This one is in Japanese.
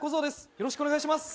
よろしくお願いします